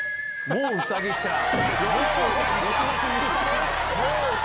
もう、うさぎちゃん。